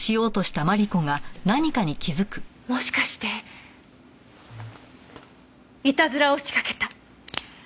もしかしてイタズラを仕掛けた。